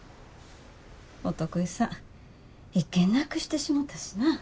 お得意さん１件なくしてしもたしな。